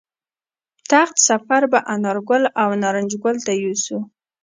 تخت سفر به انارګل او نارنج ګل ته یوسو